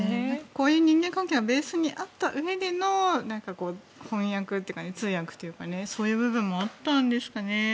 こういう人間関係がベースにあったうえでの翻訳というか通訳というかそういう部分もあったんですかね。